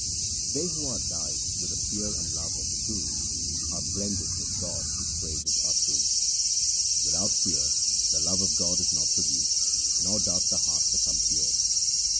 They who are dyed with the fear and love of the Guru, are blended with God whose praises are true. Without fear the love of God is not produced, nor doth the heart become pure.